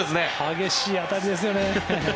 激しい当たりですよね。